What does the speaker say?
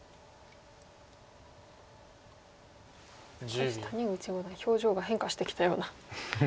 少し谷口五段表情が変化してきたような気が。